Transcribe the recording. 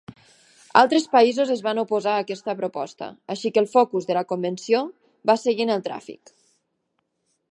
Altres països es van oposar a aquesta proposta, així que el focus de la convenció va seguir en el tràfic.